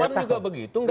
kan juga begitu iya tahu